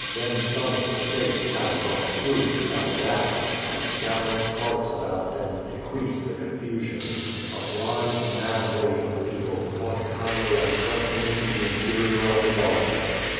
Then some of the stakes, having burnt through, fell down, and, scattering sparks about them, increased the confusion. A blind, mad, wave of people caught Chilo and swept him into the interior of the garden.